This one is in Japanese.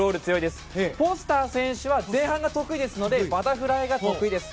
フォスター選手は前半が得意ですのでバタフライが得意です。